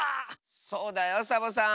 そうだよサボさん！